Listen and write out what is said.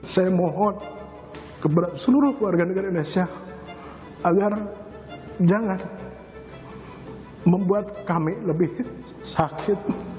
saya mohon kepada seluruh warga negara indonesia agar jangan membuat kami lebih sakit